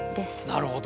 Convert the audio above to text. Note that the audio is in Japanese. なるほど。